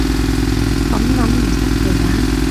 噉諗唔出奇㗎